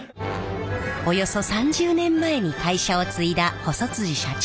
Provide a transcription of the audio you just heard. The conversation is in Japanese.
およそ３０年前に会社を継いだ細社長。